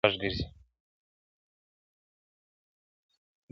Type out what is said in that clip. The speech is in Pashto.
دا کيسه د انسان د وجدان غږ ګرځي,